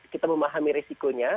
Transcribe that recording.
kita memahami risikonya